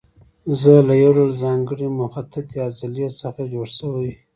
زړه له یو ډول ځانګړې مخططې عضلې څخه جوړ شوی.